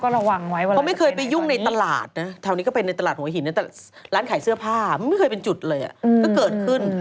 ระวังไว้ว่าเขาไม่เคยไปยุ่งในตลาดนะแถวนี้ก็เป็นในตลาดหัวหินนะแต่ร้านขายเสื้อผ้ามันไม่เคยเป็นจุดเลยก็เกิดขึ้น